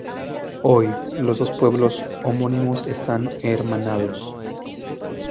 Hoy, los dos pueblos homónimos están hermanados.